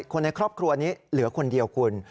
คนในครอบครัวนี้เหลือคนเดียวคุณ